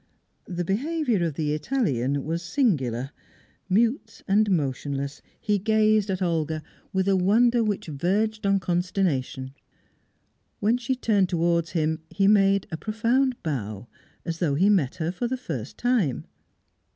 The behaviour of the Italian was singular. Mute and motionless, he gazed at Olga with a wonder which verged on consternation; when she turned towards him, he made a profound bow, as though he met her for the first time.